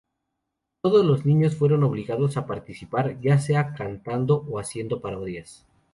Todos los niños fueron obligados a participar, ya sea cantando o haciendo parodias.